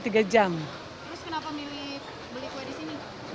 terus kenapa milih beli kue di sini